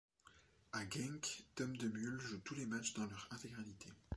À Genk, Tom De Mul joue tous les matchs dans leur intégralité.